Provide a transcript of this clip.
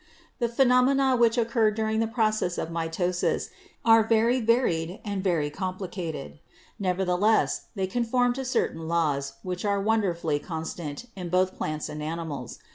The phenomena which occur during the process of mitosis are very varied and very complicated ; nevertheless they conform to certain laws which are wonderfully con stant in both plants and animals.